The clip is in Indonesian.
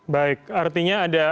baik artinya ada